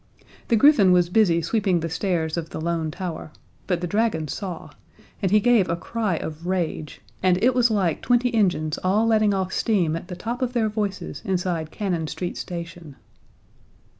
The griffin was busy sweeping the stairs of the Lone Tower, but the dragon saw, and he gave a cry of rage and it was like twenty engines all letting off steam at the top of their voices inside Cannon Street Station.